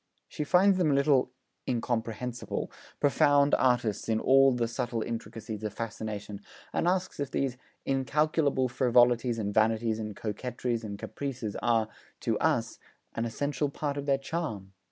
She finds them 'a little incomprehensible,' 'profound artists in all the subtle intricacies of fascination,' and asks if these 'incalculable frivolities and vanities and coquetries and caprices' are, to us, an essential part of their charm?